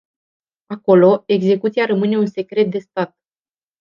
Acolo, execuția rămâne un secret de stat.